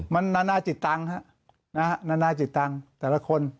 มันนานาจิตตังฮะตัวละคน